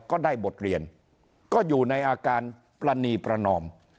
ก็ได้บทเรียนก็อยู่ในอาการปรณีประนอม